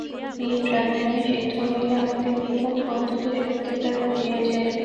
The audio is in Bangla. এই প্রাণায়ামে সিদ্ধ হইলে আমাদের নিকট অনন্ত শক্তির দ্বার খুলিয়া যায়।